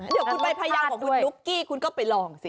เดี๋ยวคุณไปพยายามของคุณนุ๊กกี้คุณก็ไปลองสิ